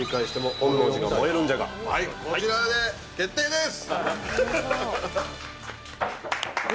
こちらで決定です！